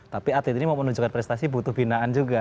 tapi atlet ini mau menunjukkan prestasi butuh binaan juga